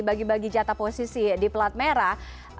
bagi bagi jatah posisi di pelat merah